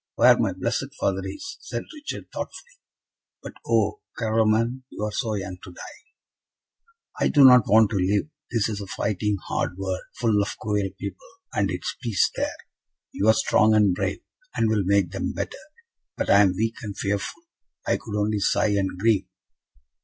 "Where my blessed father is," said Richard, thoughtfully. "But oh, Carloman, you are so young to die!" "I do not want to live. This is a fighting, hard world, full of cruel people; and it is peace there. You are strong and brave, and will make them better; but I am weak and fearful I could only sigh and grieve."